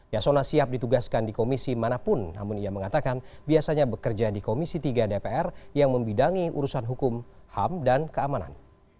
yasona siap ditugaskan di komisi manapun namun ia mengatakan biasanya bekerja di komisi tiga dpr yang membidangi urusan hukum ham dan keamanan